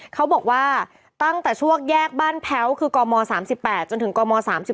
เขาบอกว่าตั้งแต่ช่วงแยกบ้านแพ้วคือกม๓๘จนถึงกม๓๔